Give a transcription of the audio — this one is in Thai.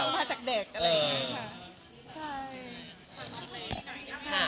มาจากเด็กอะไรอย่างนี้ค่ะ